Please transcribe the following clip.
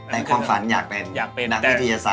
แต่ความฝันอยากเป็นนักวิทยาศาสตร์